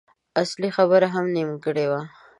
اصلي خبره هم نيمګړې وه.